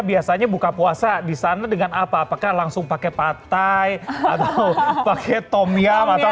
biasanya buka puasa di sana dengan apa apakah langsung pakai patai atau pakai tomyam atau